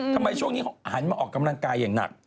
ทำไมช่วงนี้เขาหันมาออกกำลังกายอย่างหนัก